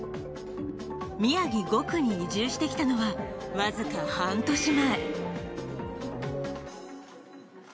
宮城５区に移住してきたのは、僅か半年前。